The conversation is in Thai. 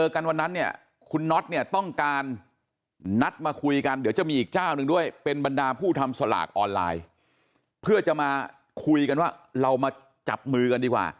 คุยกันว่าเรามาจับมือกันดีกว่า